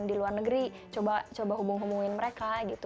jadi di luar negeri coba hubung hubungin mereka gitu